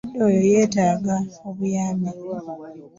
Omukadde oyo yeetaaga buyambi.